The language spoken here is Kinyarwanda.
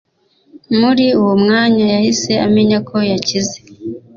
muri uwo mwanya, yahise amenya ko yakize